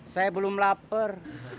saya belum lapar